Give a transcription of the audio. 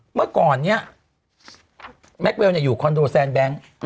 เมื่อก่อนเนี่ยแม็กเวลอยู่คอนโดแซนแบงค์